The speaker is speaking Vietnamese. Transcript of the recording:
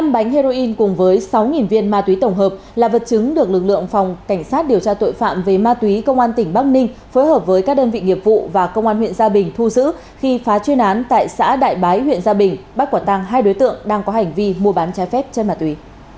một mươi bánh heroin cùng với sáu viên ma túy tổng hợp là vật chứng được lực lượng phòng cảnh sát điều tra tội phạm về ma túy công an tỉnh bắc ninh phối hợp với các đơn vị nghiệp vụ và công an huyện gia bình thu giữ khi phá chuyên án tại xã đại bái huyện gia bình bắt quả tàng hai đối tượng đang có hành vi mua bán trái phép chân ma túy